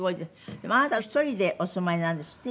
でもあなた１人でお住まいなんですって？